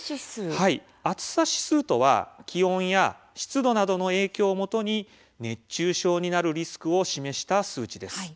暑さ指数とは気温や湿度などの影響を基に熱中症になるリスクを示した数値です。